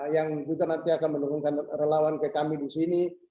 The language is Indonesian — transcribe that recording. yang nanti akan mendukungkan relawan ke kami di sini